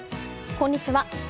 こんにちは。